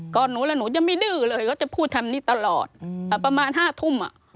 หนูแล้วหนูจะไม่ดื้อเลยเขาจะพูดคำนี้ตลอดประมาณ๕ทุ่ม